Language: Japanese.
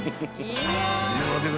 ［ではでは］